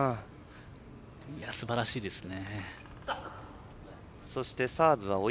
すばらしいですね。